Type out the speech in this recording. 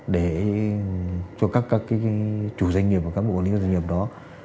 để cho các cái chủ doanh nghiệp và các bộ quản lý doanh nghiệp đó